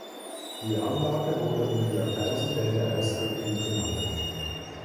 Die Anlage wurde um die Jahrtausendwende außer Betrieb genommen.